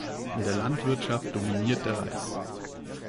In der Landwirtschaft dominiert der Reis.